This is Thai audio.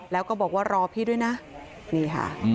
แล้วก็บอกว่ารอพี่ด้วยนะนี่ค่ะ